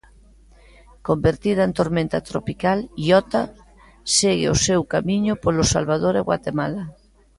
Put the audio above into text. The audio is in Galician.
Convertida en tormenta tropical, Iota segue o seu camiño polo Salvador e Guatemala.